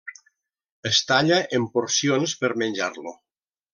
Es talla en porcions per menjar-lo.